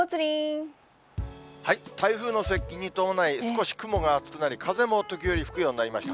台風の接近に伴い、少し雲が厚くなり、風も時折吹くようになりました。